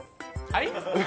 はい？